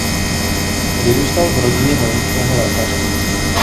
Vyrůstal v rodině vojenského lékaře.